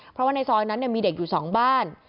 เพราะว่าในซอยนั้นมีเด็กอยู่๒บ้าน